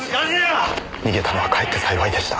逃げたのはかえって幸いでした。